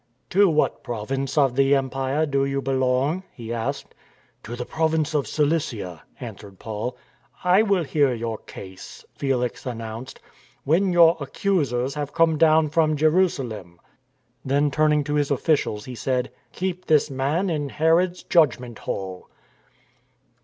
" To what province of the empire do you belong? " he asked. " To the province of Cilicia," answered Paul. I will hear your case," Felix announced, " when your accusers have come down from Jerusalem." Then turning to his officials he said: " Keep this man in Herod's Judgment Hall."